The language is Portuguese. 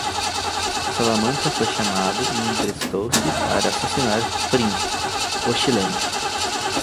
Salamanca foi chamado e emprestou-se para assassinar Fring, o chileno.